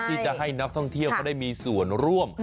ที่จะให้นักท่องเที่ยวเขาได้มีส่วนร่วม